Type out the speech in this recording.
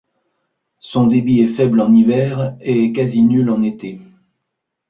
Son débit est faible en hiver et quasi nul en été.